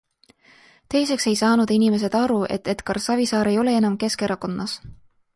Teiseks ei saanud inimesed aru, et Edgar Savisaar ei ole enam Keskerakonnas.